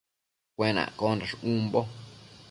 Cuenaccondash umbo